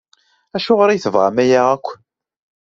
Acuɣer i tebɣam aya akk?